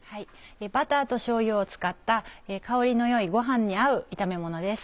バターとしょうゆを使った香りの良いご飯に合う炒めものです。